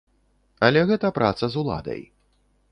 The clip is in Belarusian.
Але гэта праца з уладай.